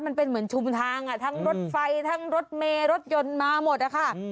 มันเป็นเหมือนชุมทางทั้งรถไฟทั้งรถเมรถยนต์มาหมดนะคะ